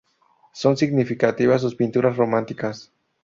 Son significativas sus pinturas románicas.